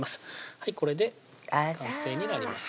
はいこれで完成になります